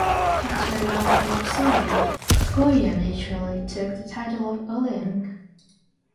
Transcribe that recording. After a downfall of Silla, Goryeo naturally took the title of Ulleung.